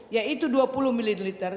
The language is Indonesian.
yaitu dua puluh ml